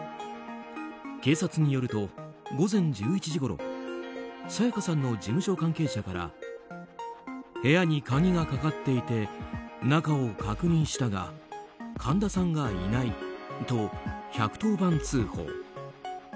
警察によると、午前１１時ごろ沙也加さんの事務所関係者から部屋に鍵がかかっていて中を確認したが神田さんがいないと１１０番通報。